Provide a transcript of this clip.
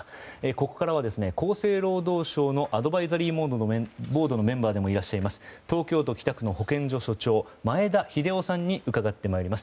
ここからは、厚生労働省のアドバイザリーボードのメンバーでもいらっしゃいます東京都北区の保健所所長、前田秀雄さんに伺ってまいります。